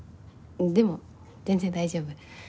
でも全然大丈夫。